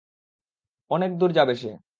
অনেকদূর যাবে সে!